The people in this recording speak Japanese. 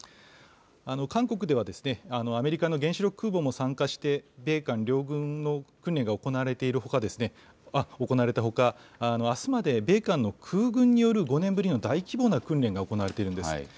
韓国ではアメリカの原子力空母も参加して、米韓両軍の訓練が行われたほか、あすまで米韓の空軍による５年ぶりの大規模な訓練が行われているんです。